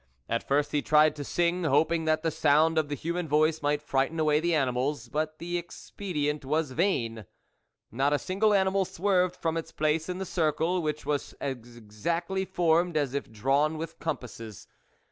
At first he tried to sing, hoping that the sound of the human voice might frighten away the animals ; but the ex pedient was vain. Not a single animal swerved from its place in the circle, which was as exactly formed as if drawn with compasses.